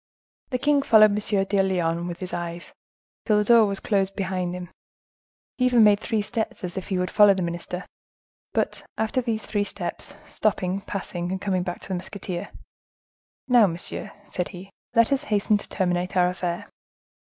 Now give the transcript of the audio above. The king followed M. de Lyonne with his eyes, till the door was closed behind him; he even made three steps, as if he would follow the minister; but, after these three steps, stopping, passing, and coming back to the musketeer,—"Now, monsieur," said he, "let us hasten to terminate our affair.